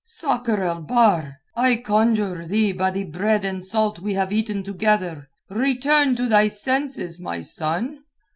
"Sakr el Bahr, I conjure thee by the bread and salt we have eaten together, return to thy senses, my son."